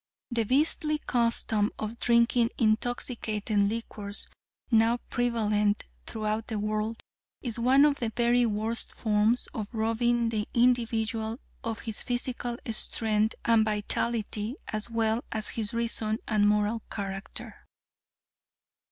"The beastly custom of drinking intoxicating liquors, now prevalent throughout the world, is one of the very worst forms of robbing the individual of his physical strength and vitality, as well as his reason and moral character.